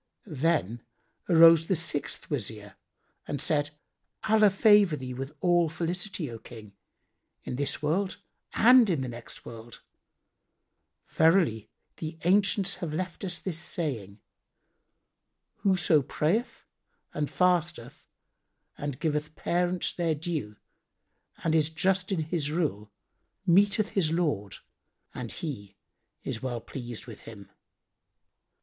Then arose the sixth Wazir and said, "Allah favour thee with all felicity, O King, in this world and in the next world! Verily, the ancients have left us this saying, 'Whoso prayeth and fasteth and giveth parents their due and is just in his rule meeteth his Lord and He is well pleased with him.'